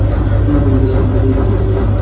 ভবিষ্যতের কথা আমি জানতে পারি না।